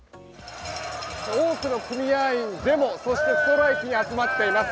多くの組合員がデモそしてストライキに集まっています。